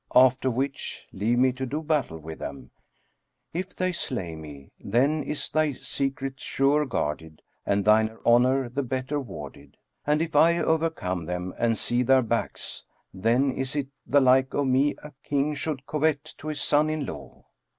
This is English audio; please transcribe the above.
After which, leave me to do battle with them: if they slay me, then is thy secret surer guarded and thine honour the better warded; and if I overcome them and see their backs, then is it the like of me a King should covet to his son in law."